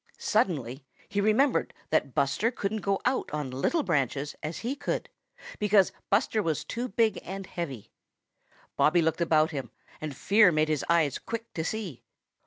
Suddenly he remembered that Buster couldn't go out on little branches as he could, because Buster was too big and heavy. Bobby looked about him, and fear made his eyes quick to see.